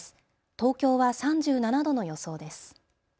東京は３７度の予想です。